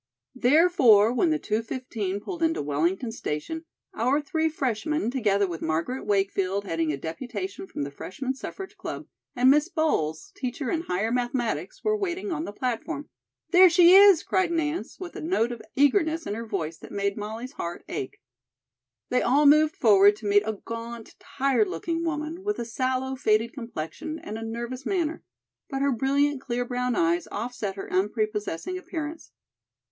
Therefore, when the two fifteen pulled into Wellington station, our three freshmen, together with Margaret Wakefield heading a deputation from the Freshman Suffrage Club, and Miss Bowles, teacher in Higher Mathematics, were waiting on the platform. "There she is!" cried Nance, with a note of eagerness in her voice that made Molly's heart ache. They all moved forward to meet a gaunt, tired looking woman, with a sallow, faded complexion and a nervous manner; but her brilliant, clear brown eyes offset her unprepossessing appearance.